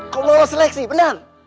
kau lolos seleksi benar